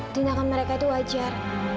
tindakan mereka itu wajar